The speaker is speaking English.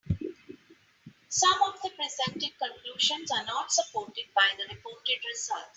Some of the presented conclusions are not supported by the reported results.